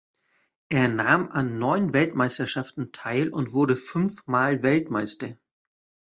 Er nahm an neun Weltmeisterschaften teil und wurde fünfmal Weltmeister.